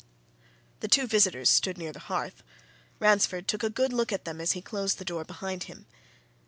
The two visitors stood near the hearth Ransford took a good look at them as he closed the door behind him.